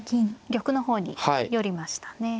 玉の方に寄りましたね。